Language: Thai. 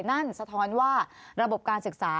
สะท้อนว่าระบบการศึกษา